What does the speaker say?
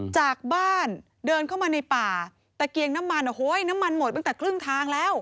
จากบ้านเดินเข้ามาในป่าตะเกียงน้ำมันโอ้โหน้ำมันหมดตั้งแต่ครึ่งทางแล้ว